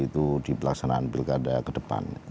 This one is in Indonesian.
itu di pelaksanaan pilkada ke depan